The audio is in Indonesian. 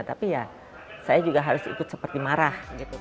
tapi ya saya juga harus ikut seperti marah